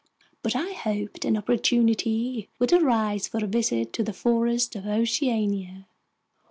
But I hoped an opportunity would arise for a visit to the forests of Oceania.